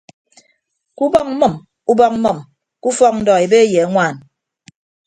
Ke ubọk mmʌm ubọk mmʌm ke ufọk ndọ ebe ye añwaan.